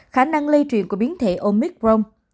khả năng lây truyền của biến thể omicron